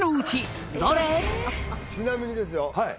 ちなみにですよ